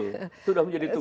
sudah menjadi tugas